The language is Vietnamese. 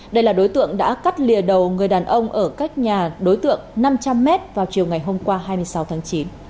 đây là đối tượng đã cắt lìa đầu người đàn ông ở cách nhà đối tượng năm trăm linh m vào chiều ngày hôm qua hai mươi sáu tháng chín